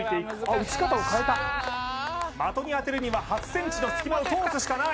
打ち方を変えた的に当てるには８ｃｍの隙間を通すしかない